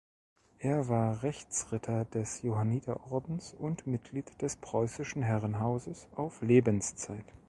Er war Rechtsritter des Johanniterordens und Mitglied des Preußischen Herrenhauses auf Lebenszeit.